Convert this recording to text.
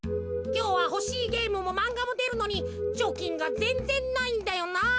きょうはほしいゲームもまんがもでるのにちょきんがぜんぜんないんだよなあ。